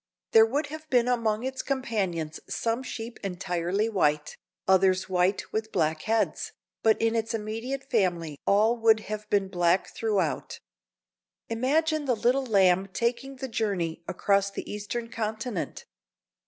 There would have been among its companions some sheep entirely white; others white with black heads; but in its immediate family all would have been black throughout. Imagine the little lamb taking the journey across the Eastern continent!